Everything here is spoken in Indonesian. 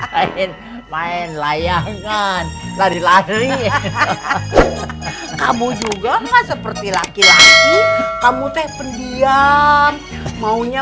mainin main layangan lari lari kamu juga seperti laki laki kamu teh pendiam maunya